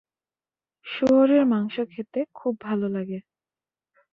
শুয়োরের মাংস খেতে খুব ভালো লাগে।